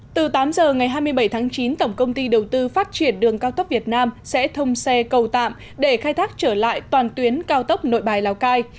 từ tám giờ ngày hai mươi bảy tháng chín tổng công ty đầu tư phát triển đường cao tốc việt nam sẽ thông xe cầu tạm để khai thác trở lại toàn tuyến cao tốc nội bài lào cai